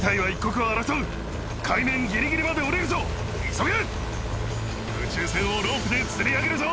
急げ！